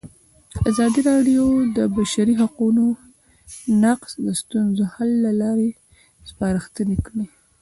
ازادي راډیو د د بشري حقونو نقض د ستونزو حل لارې سپارښتنې کړي.